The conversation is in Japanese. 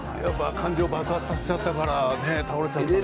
感情を爆発させたから倒れちゃったのかな。